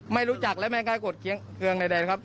ไม่รู้จักและไม่ได้กดเครื่องใดครับ